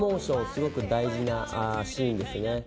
すごく大事なシーンですね。